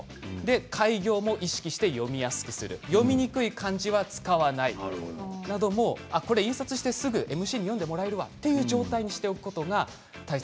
改行も意識して読みやすくする読みにくい漢字は使わないなども印刷してすぐにＭＣに読んでもらえればという状態にしておくことが大切。